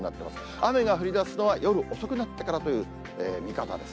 雨が降りだすのは夜遅くなってからという見方です。